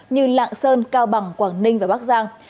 như lạng sơn cao bằng quảng ninh và bắc giang